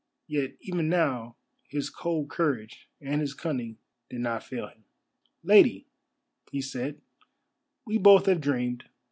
Yet even now his cold courage and his cunning did not fail him. "Lady," he said, "we both have dreamed.